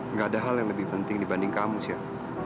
nggak ada hal yang lebih penting dibanding kamu chef